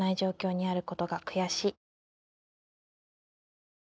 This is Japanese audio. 「あることが悔しい」